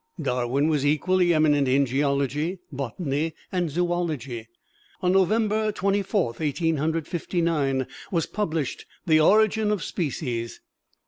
Darwin was equally eminent in Geology, Botany and Zoology. On November Twenty fourth, Eighteen Hundred Fifty nine, was published "The Origin of Species."